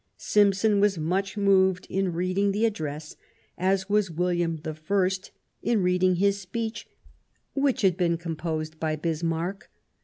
Simson was much moved in reading the address, as was William I in reading his speech, which had been composed by Bismarck.